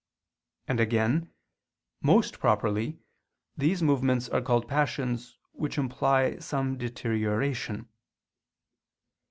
And, again, most properly those movements are called passions, which imply some deterioration.